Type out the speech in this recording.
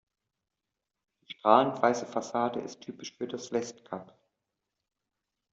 Die strahlend weiße Fassade ist typisch für das Westkap.